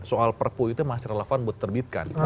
soal perpu itu masih relevan buat terbitkan